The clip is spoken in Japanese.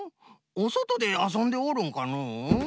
おそとであそんでおるんかのう？